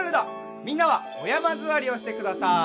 みんなはおやまずわりをしてください。